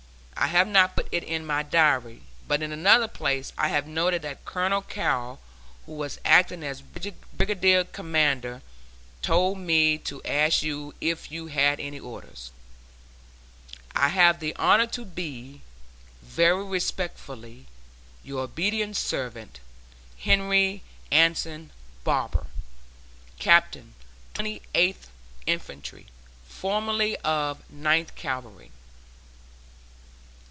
I have not put it in my diary, but in another place I have noted that Colonel Carrol, who was acting as brigade commander, told me to ask you if you had any orders. I have the honor to be, Very respectfully, Your obedient servant, HENRY ANSON BARBER, Captain Twenty Eighth Infantry, (formerly of Ninth Cavalry.)